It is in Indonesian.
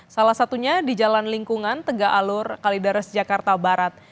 salah satunya di jalan lingkungan tegak alur kalideres jakarta barat